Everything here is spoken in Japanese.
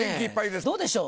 どうでしょう？